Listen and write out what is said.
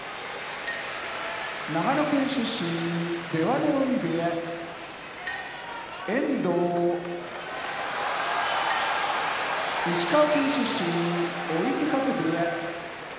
長野県出身出羽海部屋遠藤石川県出身追手風部屋